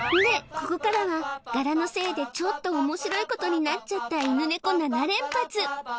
ここからは柄のせいでちょっと面白いことになっちゃった犬ネコ７連発！